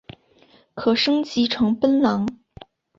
可升级成奔狼。